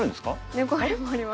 猫アレもあります。